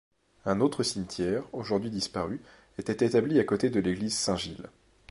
Un autre cimetière, aujourd'hui disparu, était établi à côté de l'église Saint-Gilles.